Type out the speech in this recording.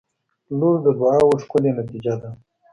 • لور د دعاوو ښکلی نتیجه ده.